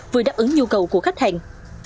vừa đáp ứng nhu cầu của khách hàng